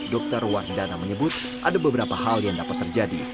dokter wahidana menyebut ada beberapa hal yang dapat terjadi